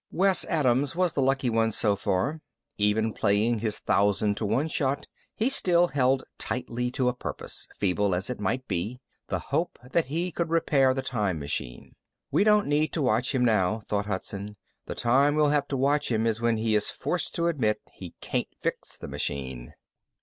Wes Adams was the lucky one so far. Even playing his thousand to one shot, he still held tightly to a purpose, feeble as it might be the hope that he could repair the time machine. We don't need to watch him now, thought Hudson. The time we'll have to watch is when he is forced to admit he can't fix the machine.